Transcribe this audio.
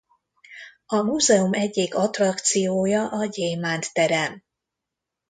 A múzeum egyik attrakciója a Gyémánt Terem.